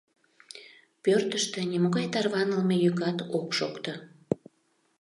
Пӧртыштӧ нимогай тарванылме йӱкат ок шокто.